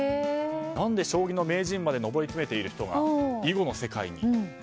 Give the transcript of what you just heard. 何で将棋の名人まで上り詰めている人が囲碁の世界に？